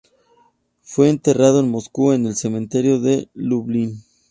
Fue enterrado en Moscú, en el cementerio de Lublin.